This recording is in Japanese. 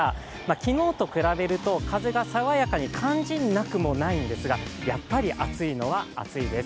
昨日と比べると風がさわやかに感じなくもないんですが、やっぱり暑いのは暑いです。